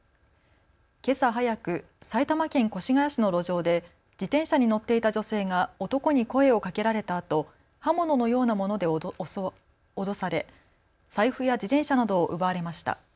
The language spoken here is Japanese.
けさ早く埼玉県越谷市の路上で自転車に乗っていた女性が男に声をかけられたあと刃物のようなもので脅され財布や自転車などを奪われました。